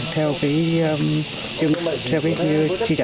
theo cái trị trả